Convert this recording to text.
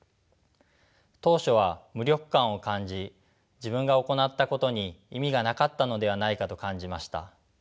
当初は無力感を感じ自分が行ったことに意味がなかったのではないかと感じました。